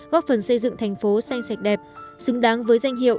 góp phần xây dựng thành phố xanh sạch đẹp xứng đáng với danh hiệu